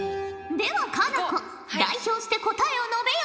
では佳菜子代表して答えを述べよ。